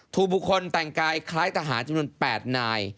ถูกบุคคลแต่งกายคล้ายทหารจำนวน๘นาย